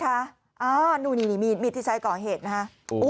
ครับดูละนี้มีที่ใช้ก่อเหตุนะครับ